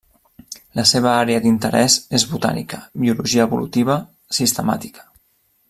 La seva àrea d'interès és Botànica, Biologia Evolutiva, Sistemàtica.